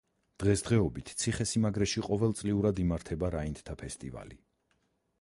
დღესდღეობით ციხესიმაგრეში ყოველწლიურად იმართება რაინდთა ფესტივალი.